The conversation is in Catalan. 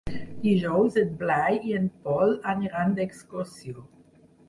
Dijous en Blai i en Pol aniran d'excursió.